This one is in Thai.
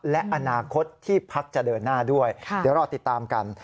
และอนาคตที่พักจะเดินหน้าด้วยเดี๋ยวรอติดตามกัน